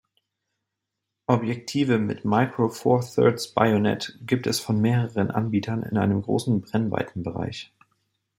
Objektive mit Micro-Four-Thirds-Bajonett gibt es von mehreren Anbietern in einem großen Brennweitenbereich.